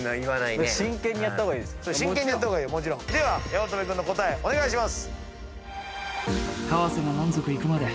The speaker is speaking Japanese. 八乙女君の答えお願いします。